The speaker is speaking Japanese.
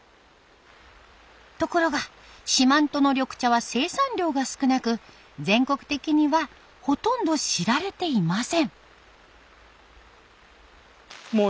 ところが四万十の緑茶は生産量が少なく全国的にはほとんど知られていません。